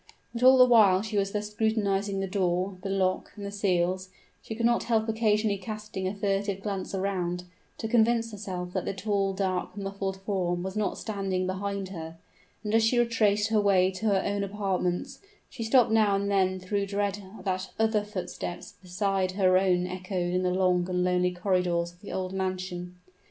But all the while she was thus scrutinizing the door, the lock, and the seals, she could not help occasionally casting a furtive glance around, to convince herself that the tall, dark, muffled form was not standing behind her: and, as she retraced her way to her own apartments, she stopped now and then through dread that other footsteps beside her own echoed in the long and lonely corridors of the old mansion.